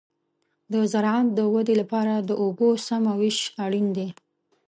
د زراعت د ودې لپاره د اوبو سمه وېش اړین دی.